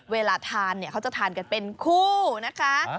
เวลาทานเนี่ยเขาจะทานกันเป็นคู่นะคะ